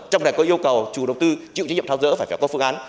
trong này có yêu cầu chủ đồng tư chịu trách nhiệm thảo dỡ phải có phương án